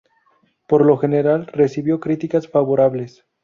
Por lo general recibió críticas favorables.